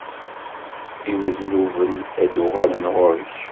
Imednuben ad d-uɣalen ɣur-k.